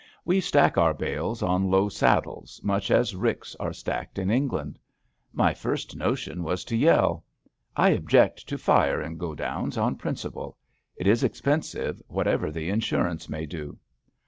We stack our bales on low saddles^ mnch as ricks are stacked in England, My first nation was to yelL I object to fire in godowns on principle. It is expensive, whatever the insurance may do.